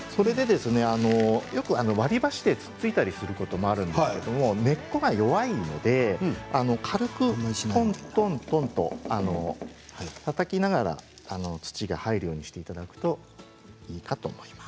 よく割り箸でつっついたりすることもあるんですが根っこが弱いので軽くトントンとたたきながら土が入るようにしていただくといいかと思います。